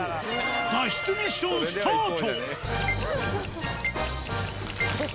脱出ミッションスタート。